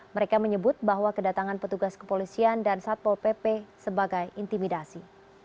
mereka menyebut bahwa kedatangan petugas kepolisian dan satpol pp sebagai intimidasi